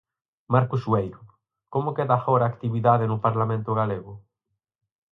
Marcos Sueiro, como queda agora a actividade no Parlamento galego?